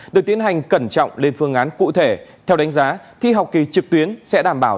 được tiến hành cẩn trọng lên phương án cụ thể theo đánh giá thi học kỳ trực tuyến sẽ đảm bảo